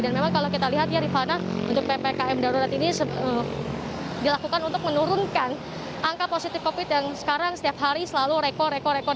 dan memang kalau kita lihat ya rifana untuk ppkm darurat ini dilakukan untuk menurunkan angka positif covid yang sekarang setiap hari selalu rekor rekor rekor